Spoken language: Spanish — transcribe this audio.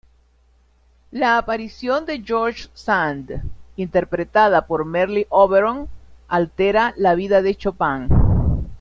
La aparición de George Sand, interpretada por Merle Oberon, altera la vida de Chopin.